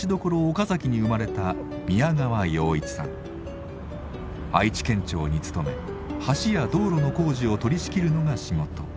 岡崎に生まれた愛知県庁に勤め橋や道路の工事を取りしきるのが仕事。